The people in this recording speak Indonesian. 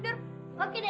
biar ibu yang rapihin ya